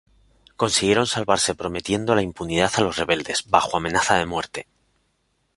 Consiguieron salvarse prometiendo la impunidad a los rebeldes, bajo amenaza de muerte.